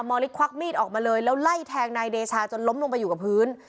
อลิสควักมีดออกมาเลยแล้วไล่แทงนายเดชาจนล้มลงไปอยู่กับพื้น